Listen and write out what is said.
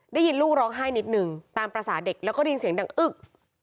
ได้ยินลูกร้องไห้นิดนึงตามภาษาเด็กแล้วก็ได้ยินเสียงดังอึ๊ก